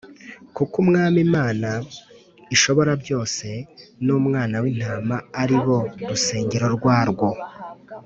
kuko Umwami Imana Ishoborabyose n’Umwana w’Intama ari bo rusengero rwarwo.